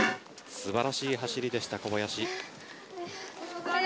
素晴らしい走りでした小林。